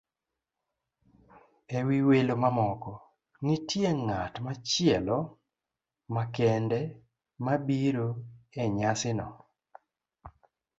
E wi welo mamoko, nitie ng'at machielo makende mobiro e nyasino.